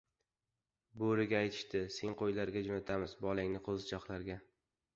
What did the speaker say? • Bo‘riga aytishdi: “Seni qo‘ylarga jo‘natamiz, bolangni — qo‘zichoqlarga”.